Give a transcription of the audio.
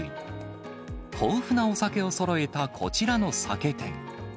豊富なお酒をそろえたこちらの酒店。